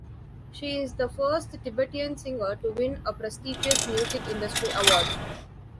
She is the first Tibetan singer to win a prestigious music industry award.